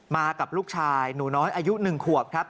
มากับลูกชายหนูน้อยอายุ๑ขวบครับ